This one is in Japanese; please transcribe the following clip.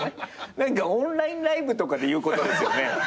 オンラインライブとかで言うことですよね。